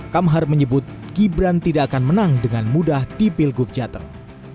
kamhar menyebut gibran tidak akan menang dengan mudah di pilgub jateng